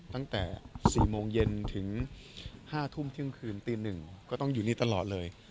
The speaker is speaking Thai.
ตั้งแต่๔โมงเย็นถึง๕ทุ่มเที่ยงคืนตี๑ก็ต้องอยู่นี่ตลอดเลย